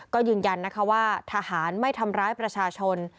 ก็ยืนยันนะคะว่าทหารไม่ทำร้ายประชาชน